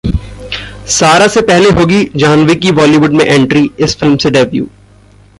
सारा से पहले होगी जाह्नवी की बॉलीवुड में एंट्री, इस फिल्म से डेब्यू